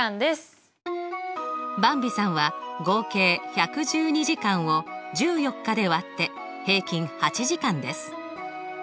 ばんびさんは合計１１２時間を１４日で割って平均８時間です。